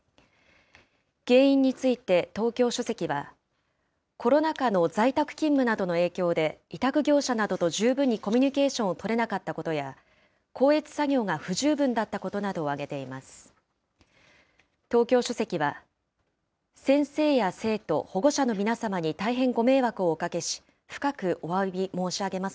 原因について、東京書籍は、コロナ禍の在宅勤務などの影響で、委託業者などと十分にコミュニケーションを取れなかったことや、校閲作業が不十分だったことなどを挙げています。